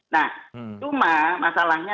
nah cuma masalahnya